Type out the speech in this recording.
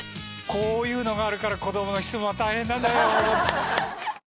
こういうのがあるから子供の質問は大変なんだよ。